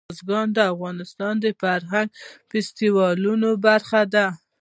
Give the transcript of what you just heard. بزګان د افغانستان د فرهنګي فستیوالونو برخه ده.